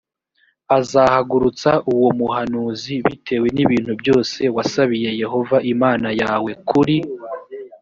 azahagurutsa uwo muhanuzi bitewe n ibintu byose wasabiye yehova imana yawe kuri